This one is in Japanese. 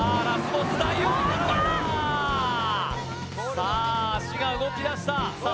さあ足が動き出したさあ